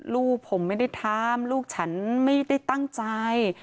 ลูกผมไม่ได้ทำลูกฉันไม่ได้ตั้งใจ